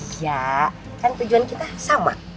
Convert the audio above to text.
ya kan tujuan kita sama